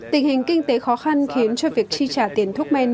tình hình kinh tế khó khăn khiến cho việc chi trả tiền thuốc men